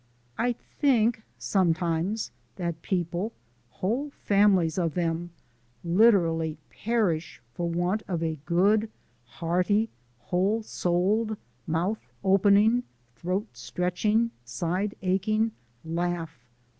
I think sometimes that people whole families of 'em literally perish for want of a good, hearty, whole souled, mouth opening, throat stretching, side aching laugh.